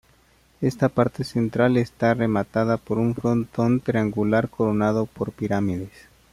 Esta parte central está rematada por un frontón triangular coronado por pirámides.